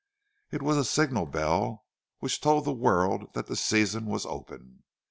It was a signal bell, which told the world that the "season" was open.